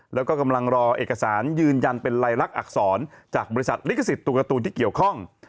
แล้วก็กำลังรอเอกสารยืนยันเป็นลายลักษณ์อักษรจากบริษัทฤกษิตุกฎูที่เกี่ยวข้อง